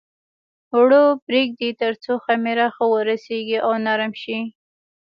اوړه پرېږدي تر څو خمېره ښه ورسېږي او نرم شي.